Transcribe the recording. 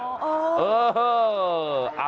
เออ